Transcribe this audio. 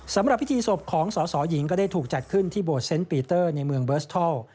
สำหรับพิธีศพของสสหญิงก็ได้ถูกจัดขึ้นที่โบสเซนต์ปีเตอร์ในเมืองเบิร์สทัล